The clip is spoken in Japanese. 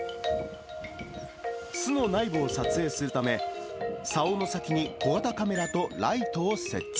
巣の内部を撮影するため、さおの先に小型カメラとライトを設置。